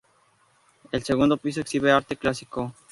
El segundo piso exhibe arte clásico.